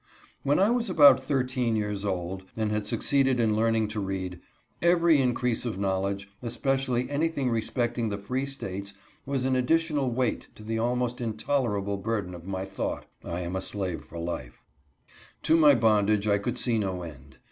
w ^When I was about thirteen years old, and had suc ceeded in learning to read, every increase of knowledge, especially anything respecting the free states, was an THE COLUMBIAN ORATOR A TREASURE. 103 additional weight to the almost intolerable burden of my thought —" I am a slave for life" To my bondage I could see no end.